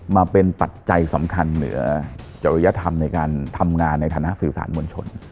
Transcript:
มาเป็นปัจจัยสำคัญเหนือจริยธรรมในการทำงานในฐานะสื่อสารมวลชน